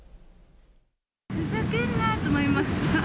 ふざけるなって思いました。